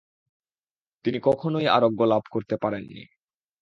তিনি কখনোই আরোগ্য লাভ করতে পারেননি।